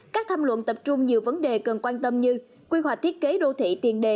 các tham luận tập trung nhiều vấn đề cần quan tâm như quy hoạch thiết kế đô thị tiền đề